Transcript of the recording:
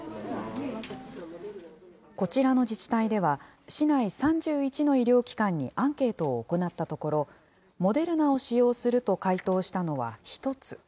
こちらの自治体では、市内３１の医療機関にアンケートを行ったところ、モデルナを使用すると回答したのは１つ。